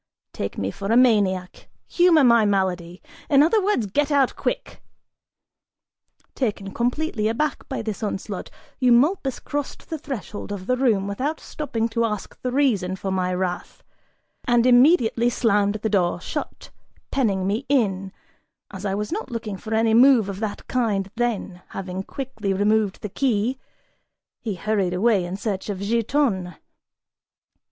Take me for a maniac, humor my malady: in other words, get out quick!" Taken completely aback by this onslaught, Eumolpus crossed the threshold of the room without stopping to ask the reason for my wrath, and immediately slammed the door shut, penning me in, as I was not looking for any move of that kind then, having quickly removed the key, he hurried away in search of Giton.